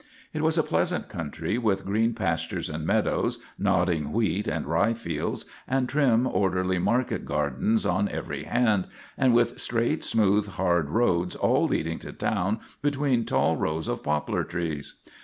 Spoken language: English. It was a pleasant country, with green pastures and meadows, nodding wheat and rye fields, and trim, orderly market gardens on every hand, and with straight, smooth, hard roads all leading to town between tall rows of poplar trees.